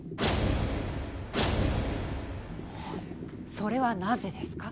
それはなぜですか？